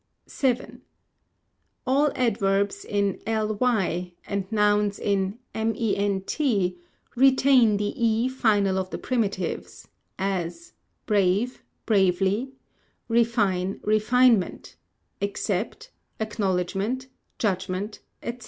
_ vii. All adverbs in ly and nouns in ment retain the e final of the primitives; as, brave, bravely; refine, refinement; except acknowledgment, judgment, &c.